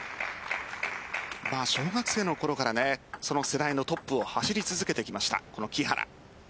小学生のころからその世代のトップを走り続けてきました、この木原。